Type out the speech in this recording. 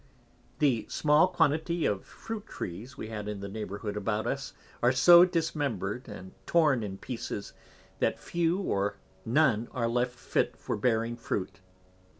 The small Quantity of Fruit Trees we had in the Neighbourhood about us are so dismember'd, and torn in pieces, that few or none are left fit for bearing Fruit.